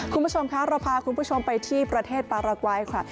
คุณผู้ชมคะเราพาคุณผู้ชมไปที่ประเทศปารากวัยค่ะ